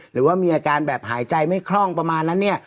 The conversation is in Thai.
หรือว่ามีอาการแบบหายใจไม่คล่องประมาณนั้นเนี่ย